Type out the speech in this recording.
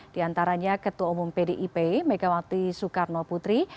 diantaranya ketua umum pdip megawati soekarno putri